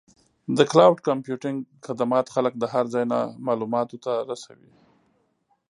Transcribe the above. د کلاؤډ کمپیوټینګ خدمات خلک د هر ځای نه معلوماتو ته رسوي.